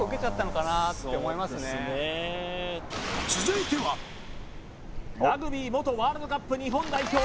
続いてはラグビー元ワールドカップ日本代表